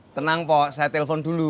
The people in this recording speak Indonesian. tenang pak saya telpon dulu